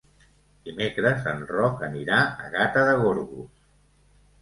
Dimecres en Roc anirà a Gata de Gorgos.